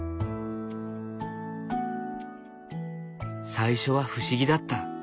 最初は不思議だった。